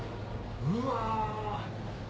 うわ。